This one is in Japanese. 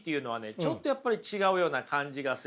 ちょっとやっぱり違うような感じがするんですね。